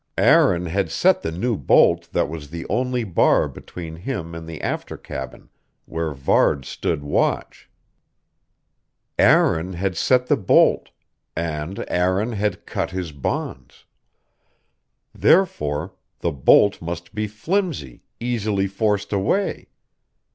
Aaron had set the new bolt that was the only bar between him and the after cabin, where Varde stood watch. Aaron had set the bolt; and Aaron had cut his bonds. Therefore the bolt must be flimsy, easily forced away.